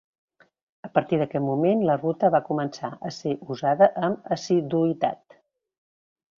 A partir d'aquest moment, la ruta va començar a ser usada amb assiduïtat.